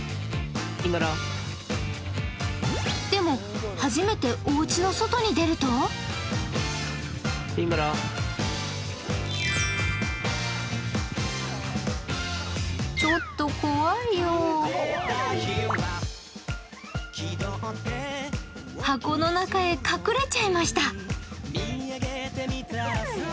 でも初めておうちの外に出ると箱の中へ隠れちゃいました。